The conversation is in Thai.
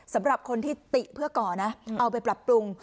สำหรับคนที่ติเพื่อก่อนะเอาไปปรับปรุง